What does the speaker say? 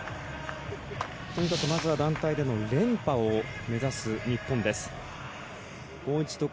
とにかくまずは団体での連覇を目指す日本です。